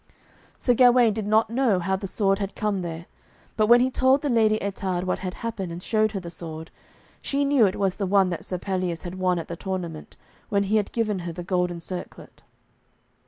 Sir Gawaine did not know how the sword had come there, but when he told the Lady Ettarde what had happened, and showed her the sword, she knew it was the one that Sir Pelleas had won at the tournament, when he had given her the golden circlet.